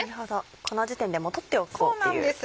この時点でもう取っておこうっていう。